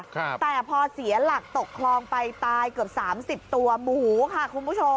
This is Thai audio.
แต่พอเสียหลักตกคลองไปตายเกือบสามสิบตัวหมูค่ะคุณผู้ชม